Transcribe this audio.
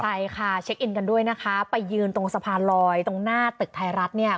ใช่ค่ะเช็คอินกันด้วยนะคะไปยืนตรงสะพานลอยตรงหน้าตึกไทยรัฐเนี่ย